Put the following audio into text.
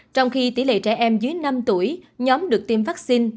trong khi tỷ lệ trẻ em dưới năm tuổi nhóm được tiêm vaccine